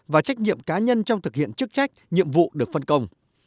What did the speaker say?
và trách nhiệm cá nhân trong thực hiện chức trách nhiệm vụ được phân công